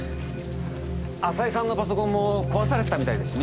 浅井さんのパソコンも壊されてたみたいですしね。